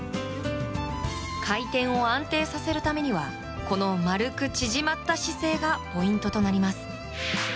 回転を安定させるためにはこの丸く縮まった姿勢がポイントとなります。